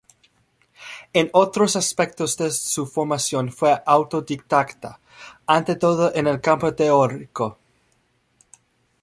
En otros aspectos de su formación fue autodidacta, ante todo en el campo teórico.